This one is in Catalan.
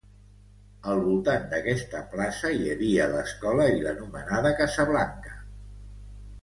Al voltant d'aquesta plaça hi havia l'escola i l'anomenada Casa Blanca.